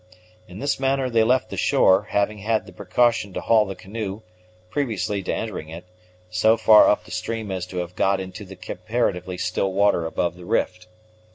In this manner they left the shore, having had the precaution to haul the canoe, previously to entering it, so far up the stream as to have got into the comparatively still water above the rift.